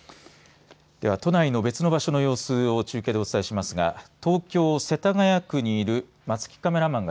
では都内の別の場所の様子を中継でお伝えしますが東京、世田谷区にいる松木カメラマンが。